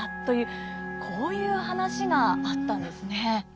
というこういう話があったんですね。